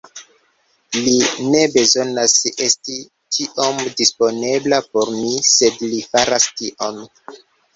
Li ne bezonas esti tiom disponebla por mi, sed li faras tion.